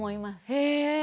へえ。